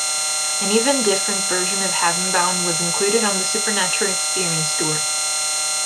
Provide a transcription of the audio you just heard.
An even different version of "Heavenbound" was included on The Supernatural Experience tour.